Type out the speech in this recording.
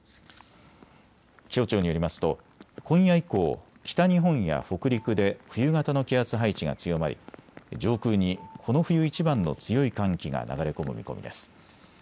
気象庁によりますと今夜以降、北日本や北陸で冬型の気圧配置が強まり上空にこの冬いちばんの強い寒気が流れ込む見込みです。